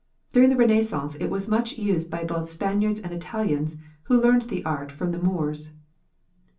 During the Renaissance it was much used by both Spaniards and Italians, who learned the art from the Moors.